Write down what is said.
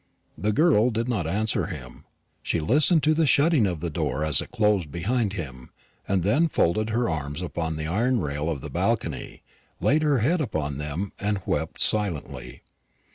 The girl did not answer him. She listened to the shutting of the door as it closed behind him, and then folded her arms upon the iron rail of the balcony, laid her head upon them, and wept silently.